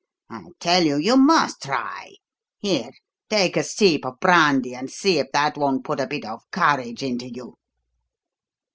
I tell you you must try! Here, take a sip of brandy, and see if that won't put a bit of courage into you.